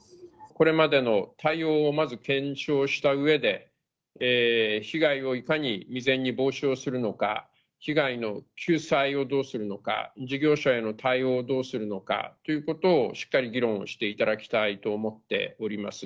これまでの対応をまず検証したうえで、被害をいかに未然に防止をするのか、被害の救済をどうするのか、事業者への対応をどうするのかということを、しっかり議論をしていただきたいと思っております。